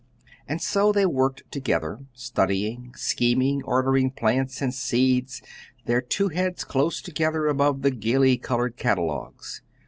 And so they worked together, studying, scheming, ordering plants and seeds, their two heads close together above the gaily colored catalogues.